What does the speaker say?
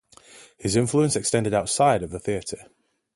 His influence extended outside of the theatre.